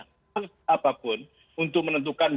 hak apapun untuk menentukan